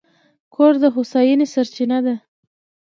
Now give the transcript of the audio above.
کور د هوساینې سرچینه ده.